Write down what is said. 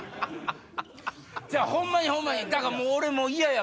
ホンマにホンマに俺もう嫌や！